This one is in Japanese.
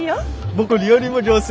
僕料理も上手。